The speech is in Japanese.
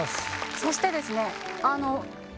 そしてですね